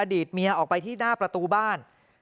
อดีตเมียออกไปที่หน้าประตูบ้าน